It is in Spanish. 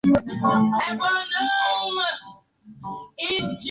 Pela una manzana.